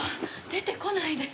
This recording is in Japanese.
出てこないで。